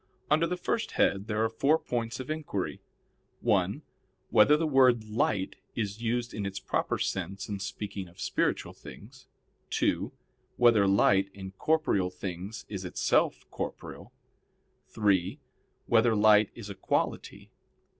Under the first head there are four points of inquiry: (1) Whether the word light is used in its proper sense in speaking of spiritual things? (2) Whether light, in corporeal things, is itself corporeal? (3) Whether light is a quality?